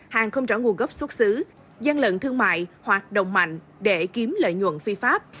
hàng không rõ nguồn gốc xuất xứ gian lận thương mại hoạt động mạnh để kiếm lợi nhuận phi pháp